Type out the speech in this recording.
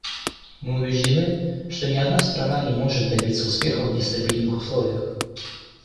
Мы убеждены, что ни одна страна не может добиться успеха в нестабильных условиях.